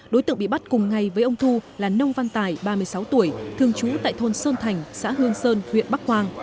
đối tượng bị bắt cùng ngày với ông thu là nông văn tài ba mươi sáu tuổi thường trú tại thôn sơn thành xã hương sơn huyện bắc quang